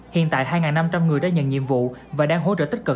hiện tại hai năm trăm linh người đã nhận nhiệm vụ và đang hỗ trợ tích cực